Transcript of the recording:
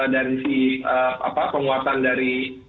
dari si penguatan dari